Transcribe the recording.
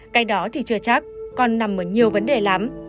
cái đó thì chưa chắc còn nằm ở nhiều vấn đề lắm